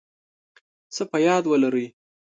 څه په یاد ولرئ